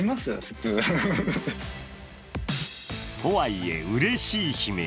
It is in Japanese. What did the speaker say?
とはいえ、うれしい悲鳴。